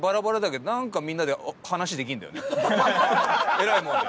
えらいもんで。